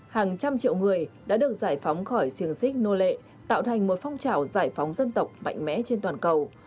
hàng trăm triệu người đã được giải phóng khỏi siềng xích nô lệ tạo thành một phong trào giải phóng dân tộc mạnh mẽ trên toàn cầu